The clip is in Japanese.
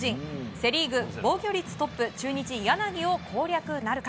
セリーグ、防御率トップ中日、柳を攻略なるか。